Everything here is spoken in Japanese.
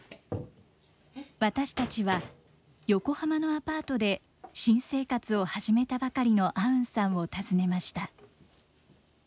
私たちは、横浜のアパートで新生活を始めたばかりのアウンさんを訪ねました。